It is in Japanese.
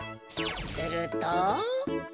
すると。